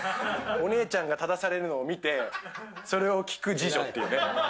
お姉ちゃんが正されるのを見て、それを聞く次女っていうね。